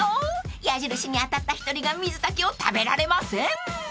［矢印に当たった１人が水炊きを食べられません］